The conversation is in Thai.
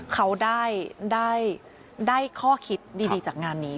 เขาได้ข้อคิดดีจากงานนี้